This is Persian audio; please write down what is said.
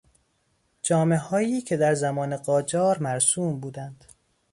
جامههایی که در زمان قاجار مرسوم بودند